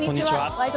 「ワイド！